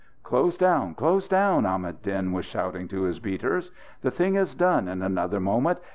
"Close down, close down!" Ahmad Din was shouting to his beaters. "The thing is done in another moment.